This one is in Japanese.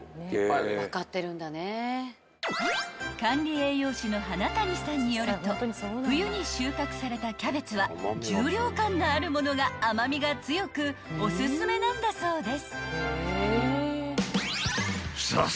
［管理栄養士の花谷さんによると冬に収穫されたキャベツは重量感のあるものが甘味が強くおすすめなんだそうです］